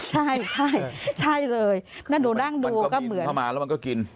ใช่ใช่ใช่เลยแล้วหนูนั่งดูก็เหมือนมันก็บินเข้ามาแล้วมันก็กิน